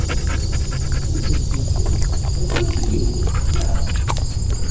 Yiwet n tikkelt, teẓrid yiwet, naɣ?